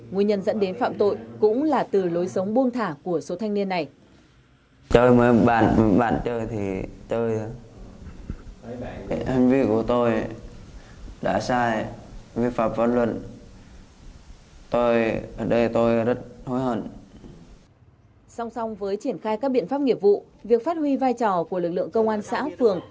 nguyên nhân dẫn đến phạm tội cũng là từ lối sống buông thả của số thanh niên